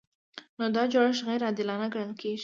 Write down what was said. نو دا جوړښت غیر عادلانه ګڼل کیږي.